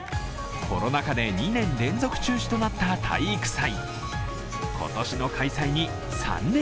コロナ禍で２年連続中止となった体育祭。